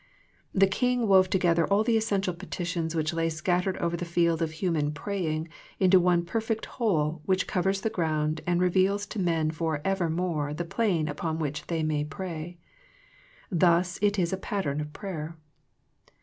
The King wove together all the essential petitions which lay scattered over the field of human praying into one perfect whole which covers the ground and reveals to men for evermore the plane upon which they may pray. Thus it is a pattern prayer.